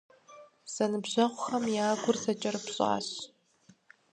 Зэныбжьэгъухэм я гур зэкӀэрыпщӀащ.